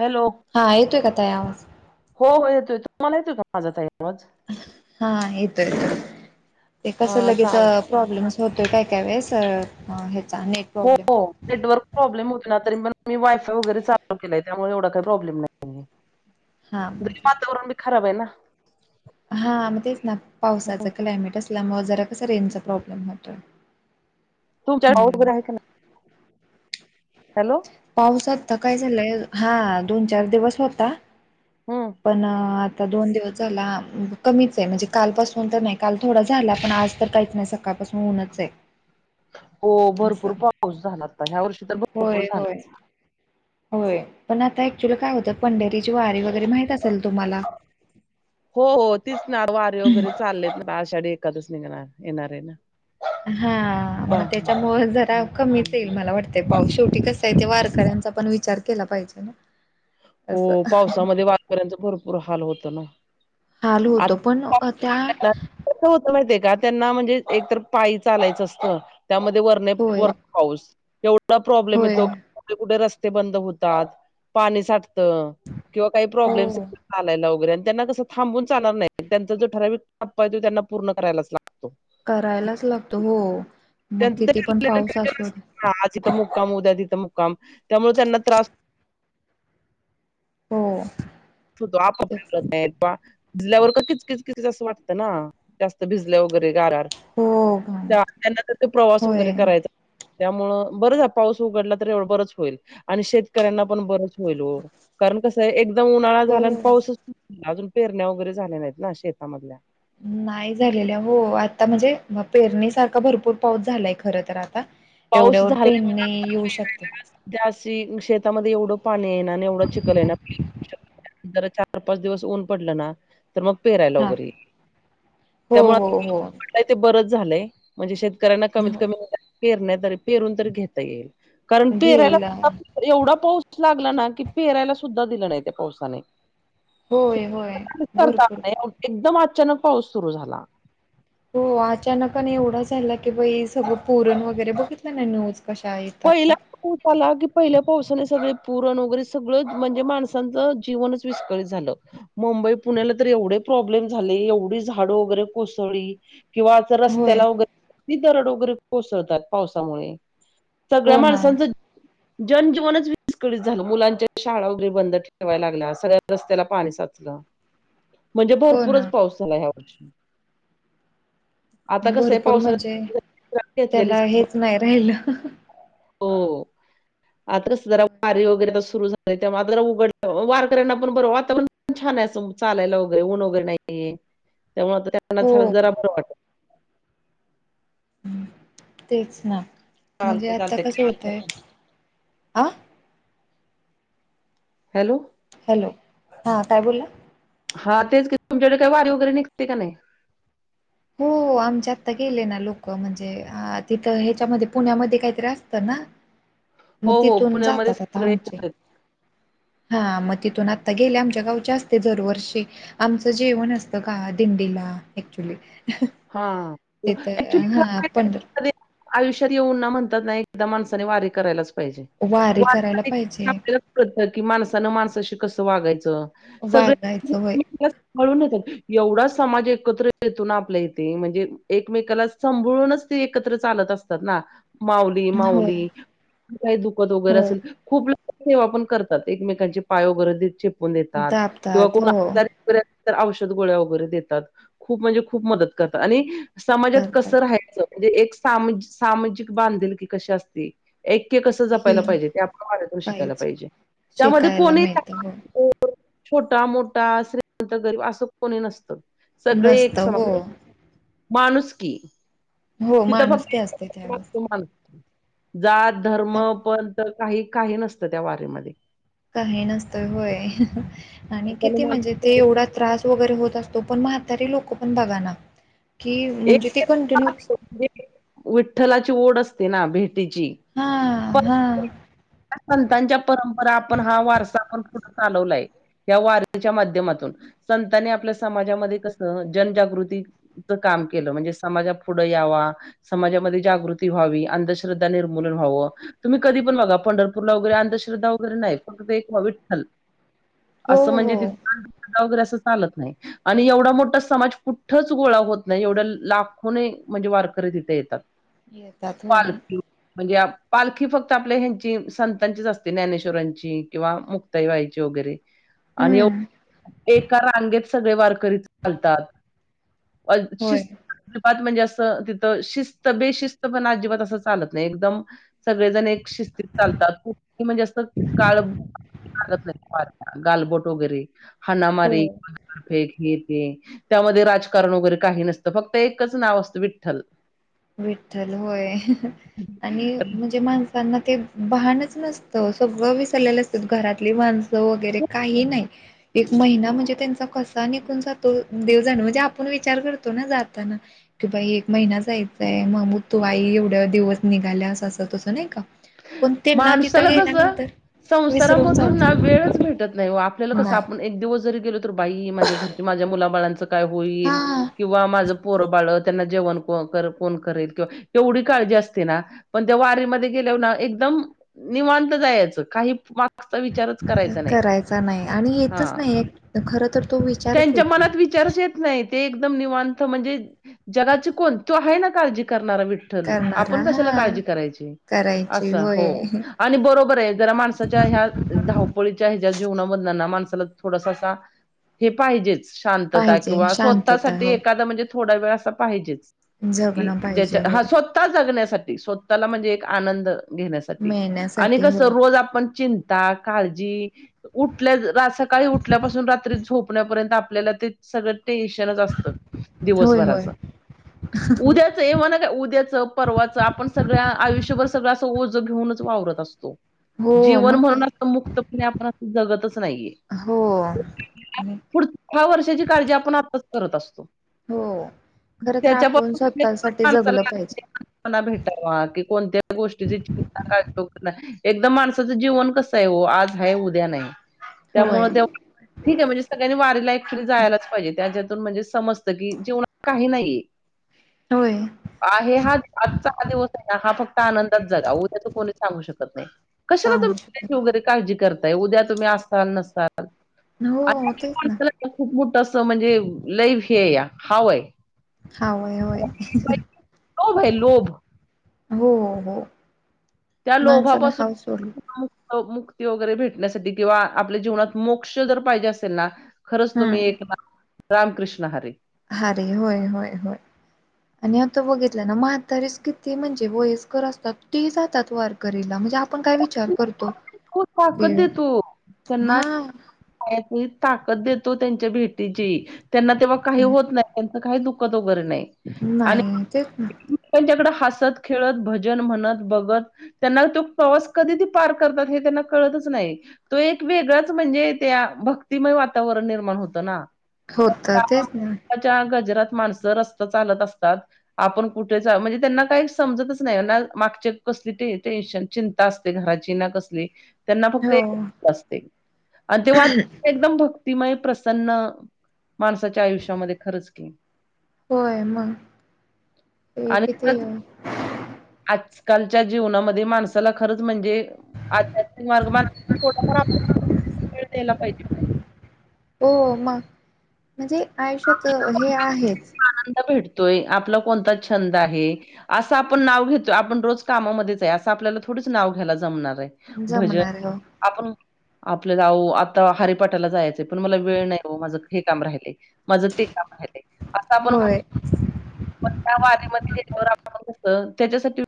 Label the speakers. Speaker 1: Hello.
Speaker 2: हा येतो का ताई आवाज?
Speaker 1: हो हो येतोय तूम्हाला येतय का माझा ताई आवाज.
Speaker 2: हा येतो येतो ते कस
Speaker 1: हा
Speaker 2: लगेच
Speaker 1: चाल
Speaker 2: प्रॉब्लेम्स होतोय काय काय वेळेस ह्याचा नेट
Speaker 1: हो
Speaker 2: प्रॉब्लेम.
Speaker 1: नेटवर्क प्रॉब्लेम होते ना तरी पण मी वायफाय वगैरे चालू केलाय त्यामुळे एवढा काही प्रॉब्लेम नाही.
Speaker 2: हा मग
Speaker 1: हे
Speaker 2: ठीक.
Speaker 1: वातावरण भी खराब आहे ना.
Speaker 2: हा म तेच ना पावसाचां क्लायमेट असल्यामुळे जरा कसं रेंजचा प्रॉब्लेम होतो.
Speaker 1: तुमच्या कडे पाऊस वगैरे आहे का नाही? हॅलो.
Speaker 2: पाऊस आता काय झालंय हा दोन, चार दिवस होता.
Speaker 1: हम्म.
Speaker 2: पण आता दोन दिवस झाला कमीच आहे म्हणजे कालपासून तर नाही काल थोडा झाला पण आज तर काहीच नाही सकाळपासून उन्हच आहे.
Speaker 1: हो
Speaker 2: असं
Speaker 1: भरपूर पाऊस झालाता ह्या वर्षी तर
Speaker 2: होय
Speaker 1: भरपूर झाला.
Speaker 2: होय होय पण आता क्च्युली काय होतं पंढरीची वारी वगैरे माहित असेल तुम्हाला?
Speaker 1: हो हो तिचणा वारि वगैरे चाललेत ना आशाढ का [unintelligible] धच निघ ना येणारे ना
Speaker 2: हा
Speaker 1: बा
Speaker 2: मग त्याच्यामुळे जरा कमीच येईल मला वाटत. ते पाऊस शेवटी कसा आहे ते वारकऱ्यांचा पण विचार केला पाहिजे ना.
Speaker 1: हो
Speaker 2: असं
Speaker 1: पावसामध्ये वारकऱ्यांचा भरपूर हाल होत ना.
Speaker 2: चालू होत पण त्या
Speaker 1: होत माहितीय का त्यांना म्हणजे एकतर पायी चालायचं असतं त्यामध्ये वरने
Speaker 2: होय
Speaker 1: वर पाऊस एवढा प्रॉब्लेम
Speaker 2: होय
Speaker 1: येतो कुठे, कुठे रस्ते बंद होतात पाणी सा किंवा काही प्रॉब्लेमस
Speaker 2: हो
Speaker 1: चालायला वगैरे आणि त्यांना कस थांबून चाणार नाही त्यांचा जो ठराविक टप्पा आहे तो त्यांना पूर्ण करायलाच लाग
Speaker 2: करायलाच लागतो हो मग
Speaker 1: त्यांचं ते
Speaker 2: किती पण
Speaker 1: ठरलेलं
Speaker 2: पाऊस
Speaker 1: नियोजन
Speaker 2: असतो.
Speaker 1: असतं आज इथ मुक्काम उद्याची तिथ मुक्काम. त्यामुळे त्यांना त्रास
Speaker 2: हो.
Speaker 1: ो आपप
Speaker 2: ते
Speaker 1: [unintelligible] भिजल्यावर का किचकीच किचच असं वाटतं ना जास्त भिजल्या वगैरे गारात.
Speaker 2: हो
Speaker 1: - च त्यांना तर ते प्रवास
Speaker 2: होय
Speaker 1: वगैरे करायचा. त्यामुळं बरच पाऊस उघडला तर एवढं बरच होईल आणि शेतकऱ्यांना पण बरंच होईल हो. कारण कसं आहे एकदम उन्हाळा
Speaker 2: हो
Speaker 1: झाला आणि पाऊसच झा अजून पेरण्या वगैरे झाले नाहीत ना शेतामधल्या.
Speaker 2: नाही झालेल्या हो आता म्हणजे पेरणीसारखा भरपूर पाऊस झालाय खर तर आता. एवढ्यावर पेनणी येऊ शकते.
Speaker 1: त्याशी शेतामध्ये एवढं पाणी येणार आणि एवढं चिखल येणार. जरा चार पाच दिवस ऊन पडलं ना तर मग पेरायला
Speaker 2: हा
Speaker 1: वगैरे येईल
Speaker 2: हो
Speaker 1: त्यामुळे
Speaker 2: हो
Speaker 1: आ
Speaker 2: हो
Speaker 1: नाही ते बरच झालंय, म्हणजे शेतकऱ्यांना कमीत कमी
Speaker 2: हो
Speaker 1: निदान पेरण्या तरी पेरून तरी घेता येईल. कारण
Speaker 2: घेला
Speaker 1: पेरायला एवढा पाऊस लागला ना कि, पेरायला सुद्धा दिलं नाही त्या पावसाने
Speaker 2: होय होय
Speaker 1: करता
Speaker 2: भरपूर
Speaker 1: आलं नाही. एकदम अचानक पाऊस सुरु झाला.
Speaker 2: हो अचानकने एवढा झाला. की बाई सगळं पुरण वगैरे बघितलं ना न्यूज कशा आहेत आता.
Speaker 1: होत आला की पहिल्या पावसाने सगळे पुरण वगैरे सगळं म्हणजे माणसांचं जीवनच विस्कळीत झालं. मुंबई पुण्याला तर एवढे प्रॉब्लेम झाले एवढी झाड वगैरे कोसळली किंवा तर
Speaker 2: होय
Speaker 1: रस्त्याला वगैरे किती दरड वगैरे कोसळतात पावसामुळे सगळ्या
Speaker 2: हो ना
Speaker 1: माणसांचं जनजीवनच विस्कळीत झालं. मुलांच्या शाळा वगैरे बंद ठेवायला लागल्या. सगळ्या रस्त्याला पाणी साचलं.
Speaker 2: [inaudible]
Speaker 1: म्हणजे
Speaker 2: हो ना
Speaker 1: भरपूरच पाऊस झाला. ह्या वर्षी, आता कसं आहे
Speaker 2: भरपूर म्हणजे
Speaker 1: पावसाळ्यात घेतलेली
Speaker 2: त्याला हेच नाही राहिलं.
Speaker 1: हो
Speaker 2: [inaudible]
Speaker 1: आता कसं जरा वारीे वगैरे सुरु झाले. तेव्हा जरा उघड वारकऱ्यांना पण बर वाटत. वातावरण पण छान आहे चालायला. वगैरे ऊन वेगरे नाहीये त्यामुळे
Speaker 2: हो
Speaker 1: त्यांना जरा बरं वाटत.
Speaker 2: तेच ना म्हणजे
Speaker 1: चालतंय
Speaker 2: आता कसं
Speaker 1: चालतंय
Speaker 2: होतय. हा
Speaker 1: हॅलो,
Speaker 2: हॅलो, हा काय बोलला?
Speaker 1: हा तेच की तुमच्याकडे काय वारी वगैरे निघते का नाही?
Speaker 2: हो आमच्या आत्ता गेले ना. लोक म्हणजे तिथं ह्याच्यामध्ये पुण्यामध्ये काहीतरी असतं ना. मग
Speaker 1: हो हो
Speaker 2: तिथून
Speaker 1: पुण्यामध्ये
Speaker 2: जातात आता
Speaker 1: सगळे एकत्र
Speaker 2: आमचे
Speaker 1: आहेत.
Speaker 2: हा मग तिथून आता गेले. आमच्या गावचे असते दरवर्षी आमचं जेवण असतं का दिंडीला एक्च्युली
Speaker 1: हा ऍक्चुली काय
Speaker 2: पंढ
Speaker 1: आयुष्यात येऊन ना म्हणतात ना एकदा माणसाने वारी करायलाच पाहिजे.
Speaker 2: वारी करायला पाहिजे.
Speaker 1: कळत की माणसानं माणसाशी कसं वागायचं सगळे
Speaker 2: वागायचं होय.
Speaker 1: नीटनीटकेपना कळून येतात. एवढा समाज एकत्र येतो आपल्या येते. म्हणजे एकमेकाणा सांभाळूनच एकत्र चालत असतात ना. माऊ ली
Speaker 2: होय,
Speaker 1: माऊली काही दुखत वगैरे
Speaker 2: होय.
Speaker 1: असेल. खूप लोक सेवा पण करतात एकमेकांचे पाय वगैरे देत चे पुन देतात किंवा
Speaker 2: दाबतात
Speaker 1: कोण
Speaker 2: हो
Speaker 1: आजा री असतील तर औषध, गोळ्या वगैरे देतात. खूप म्हणजे खूप मदत करतात आणि समाजात
Speaker 2: करतात.
Speaker 1: कसं राहायचं म्हणजे एक सा सामाजिक बांधिलकी कशी असते. ऐक्य कसं
Speaker 2: हे
Speaker 1: जपायला पाहिजे. ते आपल्या वारीतून शिकायला पाहिजे त्यामध्ये
Speaker 2: शिकायला
Speaker 1: कोणी
Speaker 2: मिळतं हो.
Speaker 1: छोटा-मोठा, श्रीमंत- गरीब असं कोणी नसतं.
Speaker 2: नसत हो,
Speaker 1: माणूसकी
Speaker 2: हो
Speaker 1: तिथं
Speaker 2: माणुसकी असते
Speaker 1: फक्त
Speaker 2: त्यावेळेस.
Speaker 1: लागतो माणूस जात, धर्म,
Speaker 2: आणि
Speaker 1: पंत काही काही नसतं त्या वारीमध्ये
Speaker 2: काही नसतंय होय आणि किती
Speaker 1: हनुमान
Speaker 2: म्हणजे ते एवढा त्रास वगैरे होत असतो. पण म्हातारी लोक पण बघा ना की
Speaker 1: एक
Speaker 2: म्हणजे ते कंटिन्यू
Speaker 1: पाच म्हणजे विठ्ठलाची ओढ असते. ना भेटीची
Speaker 2: हा हा
Speaker 1: त्या संतांच्या परंपरा आपण हा वारसा आपण पुढं चालवलाय. या वारीच्या माध्यमातून संतांनी आपल्या समाजामध्ये कस जनजागृती काम केलं म्हणजे समाजा पुढं यावा. समाजामध्ये जागृती व्हावी. अंधश्रद्धा निर्मूलन व्हांव. तुम्ही कधी पण बघा पंढरपू वगैरे अंधश्रद्धा वगैरे नाही फक्त एक ह विठ्ठल
Speaker 2: हो
Speaker 1: असं म्हणजे
Speaker 2: हो
Speaker 1: तिथ वगैरे असं चालत नाही आणि एवढा मोठा समाज कुठंच गोळा होत नाही एवढ्या लाखोने म्हणजे वारकरी तिथे येतात
Speaker 2: येतात होय
Speaker 1: पालखी म्हणजे पालखी फक्त आपल्या ह्यांची संतांचीच असते ज्ञानेश्वरांची किंवा मुक्ताईबाईची वगैरे आणि एव
Speaker 2: हम्म
Speaker 1: एका रांगेत सगळे वारकरी चालतात. अ
Speaker 2: होय
Speaker 1: शिस् अजिबात म्हणजे असं. तिथं शिस्त-बेशिस्त पना अजिबात असं चालत नाही. एकदम सगळेजण एक शी चालतात. म्हणजे अस काळ हत नाही पा गालबोट वगैरे हणा
Speaker 2: हो
Speaker 1: मारी फेक ह ते त्यामध्ये राजकारण वगैरे काही नसतं फक्त एकच नाव असतं विठ्ठल
Speaker 2: विठ्ठल होय आणि म्हणजे माणस त्यांना ते भानच नसतं सगळं विसरलेलं असतं घरातली भानस वगैरे काही नाही एक महिना म्हणजे त्यांचा कसा निघून जातो देवजाणे म्हणजे आपण विचार करतो ना जाताना कि बाई एक महिना जायचाय मग म तू आई एवढं दिवस निघाल्यास असं तसं नाही का पण तेना तिथं
Speaker 1: माणसाला कसं
Speaker 2: गेल्यानंतर विसरून
Speaker 1: संसारामधून
Speaker 2: जात
Speaker 1: ना वेळच भेटत नाही ओ आपल्याला कसं
Speaker 2: नाही
Speaker 1: आप एक दिवस जरी गेलो तर बाई माझ्या घरच माझ्या मुलाबाळांचं काय होईल
Speaker 2: हा
Speaker 1: किंवा माझं पोरं बाळ त्यांना जेवण कोण करेल किंवा एवढी काळजी असते ना पण त्या वारीमध्ये गेल्यावर ना एकदम निवांत जायचं काही मागचा विचारच करायचा नाही
Speaker 2: करायचा नाही आणि येतच
Speaker 1: हा.
Speaker 2: नाही खर तर तो विचारच
Speaker 1: त्यांच्या
Speaker 2: येत नाही
Speaker 1: मनात विचारच येत नाही ते एकदम निवांत म्हणजे जगाची कोण तो आहे ना काळजी करणारा विठ
Speaker 2: करणारा
Speaker 1: आपण कशाला
Speaker 2: हा
Speaker 1: काळजी करायची
Speaker 2: करायची
Speaker 1: असं हो
Speaker 2: होय.
Speaker 1: आणि बरोबर आहे जरा माणसाच्या ह्या धावपळीच्या ह्याच्या जीवनामधला ना माणसाला थोडासासा हे पाहिजेच शांतता
Speaker 2: पाहिजे
Speaker 1: किंवा
Speaker 2: शांतता
Speaker 1: स्वतःसाठी
Speaker 2: हो
Speaker 1: एखादा म्हणजे थोडा वेळ असं पाहिजेच कि
Speaker 2: जगणं पाहिजे
Speaker 1: ज्याच्या हा
Speaker 2: होय.
Speaker 1: स्वत स्वता जगण्यासाठी स्वतःला म्हणजे एक आनंद घेण्यासाठी आणि
Speaker 2: मिळण्यासाठी
Speaker 1: कस
Speaker 2: होय
Speaker 1: रोज आपण चिं काळजी उठल्या सकाळी उठल्यापासून रात्री झोप पुण्यापर्यंत आपल्याला ते सगळं टेन्शनच असतं
Speaker 2: होय
Speaker 1: दिवसभराच
Speaker 2: होय
Speaker 1: उद्या एव्हाना काय उद्याचं परवाचं आपण सगळ्या आयुष्यभर सगळं असं ओझं घेऊनच वावरत असतो
Speaker 2: हो
Speaker 1: जीवन
Speaker 2: मग काय
Speaker 1: म्हणून असं मुक्तपणे आपण असं जगतच नाहीये
Speaker 2: हो आणि
Speaker 1: पुढच्या वर्षाची काळजी आपण आताच करत असतो
Speaker 2: हो खर तर
Speaker 1: त्याच्याून
Speaker 2: आपण स्वतःसाठी
Speaker 1: माणसा
Speaker 2: जगलं पाहिजे
Speaker 1: [unintelligible] कोना भेटावा की कोणत्या गोष्टीची [unintelligible] चचिंता कातोक एकदम माणसाचं जीवन कसं आहे ओ आज ह उद्या नाही त्यामुळे त्या
Speaker 2: [unintelligible]
Speaker 1: ठीक आहे म्हणजे सगळ्यांनी वारीला अँक्च्युली जायलाच पाहिजे त्याच्यातून म्हणजे समजतं की जेवना काही नाहीये
Speaker 2: होय
Speaker 1: आहे हा आजचा हा दिवस आहे ना हा फक्त आनंदा जगा उद्या तर कोणी सांगू शकत नाही कशाला
Speaker 2: सांगू
Speaker 1: तुम्हीची
Speaker 2: शकत
Speaker 1: ऊद्याची वगैरे काळजी करताय उद्या तुम्ही असाल नसताल
Speaker 2: नाही हो तेच ना
Speaker 1: खूप मोठ [unintelligible] अस म्हणजे लैफ हे या हाव आहे
Speaker 2: हा वय होय
Speaker 1: लोभ आहे लोभ.
Speaker 2: हो हो
Speaker 1: त्या
Speaker 2: माणसानं हाव सोडली
Speaker 1: लोभापासून मुक्ती वगैरे भेटण्यासाठी किंवा आपल्या जीवनात मोक्ष जर पाहिजे असेल ना खरंच तुम्ही
Speaker 2: हम्म
Speaker 1: एक रामकृष्ण हरे
Speaker 2: हरे होय होय होय आणि आता बघितला ना म्हातारीच किती म्हणजे वयस्कर असतात ती जातात वारकररीला म्हणजे आपण काय विचार करतो
Speaker 1: खूप
Speaker 2: की
Speaker 1: ताकद देतो. त्यांना
Speaker 2: हा,
Speaker 1: ताकद देतो त्यांच्या भेटीची त्यांना तेव्हा काही होत नाही. त्यांचं काही दुःखद वगैे नाही. आणि
Speaker 2: नाही ते
Speaker 1: त्यांच्याकडे हसत खेळत भजन म्हणत बघत त्यांना तो प्रवास कधी ते पार करतात हे त्यांना कळतच नाही तो एक वेगळाच म्हणजे त्या भक्तिमय वातावरण निर्माण होतं ना
Speaker 2: होतर तेच ना
Speaker 1: गजरात माणसं रस्त चालत असतात आपण कठे जा म्हणजे त्यांना काही समजतच नाही मागचे कसली ते टेन्शन असते घराची ना कसली त्यांना
Speaker 2: हो
Speaker 1: फक्त असते आणि ते वा एकदम भक्तिमय प्रसन्न माणसाच्या आयुष्यामध्ये खरंच खरच की
Speaker 2: होय मग ते
Speaker 1: आणि
Speaker 2: किती
Speaker 1: खरच आजकालच्या जीवनामध्ये माणसाला खरंच म्हणजे आध्यात्मिक मार्ग थोडफार वेळ द्याला पाहिजे.
Speaker 2: हो मग म्हणजे आयुष्यात
Speaker 1: आपल्याला
Speaker 2: हे
Speaker 1: कोणत्या
Speaker 2: आहेच.
Speaker 1: गोष्टीत आनंद भेटत तोय आपला कोणता छंद आहे. असं आपण नाव घेतो आपण रोज कामामध्येच आहे, असं आपल्याला थोडीच नाव घ्यायला जमणार आहे.
Speaker 2: जमणार हो.
Speaker 1: आपण आपल्या जाऊ आता हरिपाटाला जायचं पण मला वेळ नाही हो माझं हे काम राहिलंय. मज ते काम आहे असं आपण म्हण.
Speaker 2: होय
Speaker 1: प त्या वऱ्यामध्येच्यावर त्याच्यासाठी